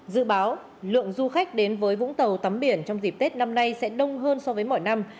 dự báo lượng du khách đến với vũng tàu tắm biển trong dịp tết năm nay sẽ đông hơn so với mọi năm